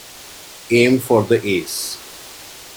Aim for the Ace!